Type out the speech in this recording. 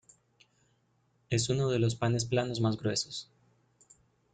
Es uno de los panes planos más gruesos.